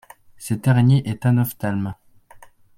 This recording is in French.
Cette araignée est anophthalme.